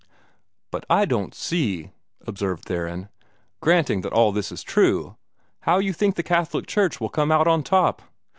"But I don't see," observed Theron, "granting that all this is true, how you think the Catholic Church will come out on top.